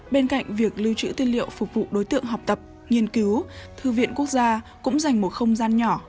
bên cạnh việc lưu trữ tiên liệu phục vụ đối tượng học tập nghiên cứu thư viện quốc gia cũng dành một không gian nhỏ